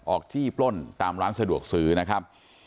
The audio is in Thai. จี้ปล้นตามร้านสะดวกซื้อนะครับ